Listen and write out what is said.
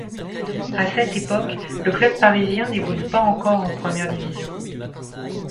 À cette époque, le club parisien n'évolue pas encore en première division.